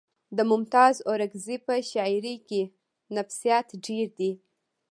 د ممتاز اورکزي په شاعرۍ کې نفسیات ډېر دي